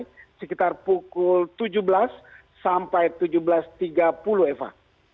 pada sore hari sekitar pukul tujuh belas sampai tujuh belas tiga puluh eva